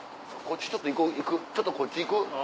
ちょっとこっち行く？